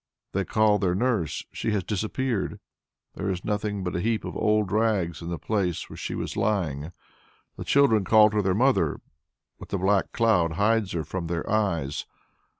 They call their nurse she has disappeared; there is nothing but a heap of old rags in the place where she was lying. The children call to their mother, but the black cloud hides her from their eyes.